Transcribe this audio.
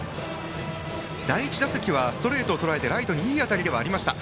第１打席はストレートをとらえてライトにいい当たりがありました。